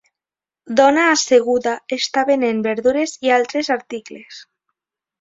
Dona asseguda està venent verdures i altres articles